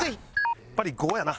やっぱり５やな。